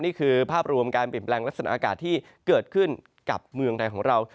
นี่คือภาพรวมการเปลี่ยนแปลงลักษณะอากาศที่เกิดขึ้นกับเมืองไทยของเรา